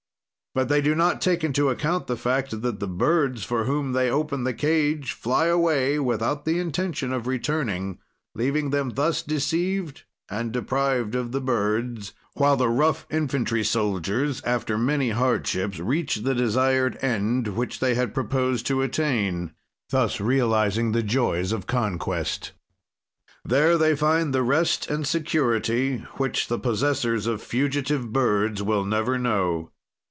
"But they do not take into account the fact that the birds, for whom they open the cage, fly away without the intention of returning, leaving them thus deceived and deprived of the birds, while the rough infantry soldiers, after many hardships, reach the desired end which they had proposed to attain, thus realizing the joys of conquest. "There they find the rest and security, which the possessors of fugitive birds will never know.